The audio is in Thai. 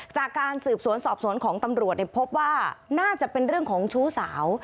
จากการสืบสวนสอบสวนของตำรวจพบว่าน่าจะเป็นเรื่องของชู้สาว